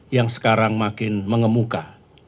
yang sekarang makin mengemuka